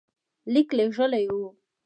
لیک لېږلی وو.